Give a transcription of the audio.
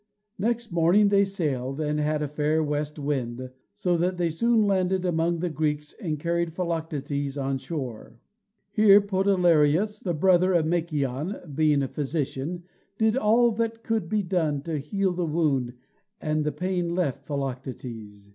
Next morning they sailed, and had a fair west wind, so that they soon landed among the Greeks and carried Philoctetes on shore. Here Podaleirius, the brother of Machaon, being a physician, did all that could be done to heal the wound, and the pain left Philoctetes.